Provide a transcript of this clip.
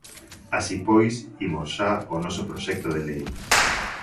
Así pois, imos xa ao noso proxecto de lei.